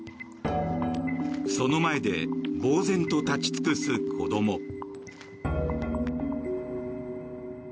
その前でぼうぜんと立ち尽くす子供。